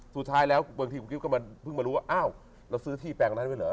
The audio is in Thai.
สุดท้ายแล้วบางทีคุณกิ๊บก็มาเพิ่งมารู้ว่าอ้าวเราซื้อที่แปลงนั้นไว้เหรอ